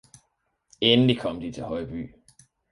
Endelig kom de til Højby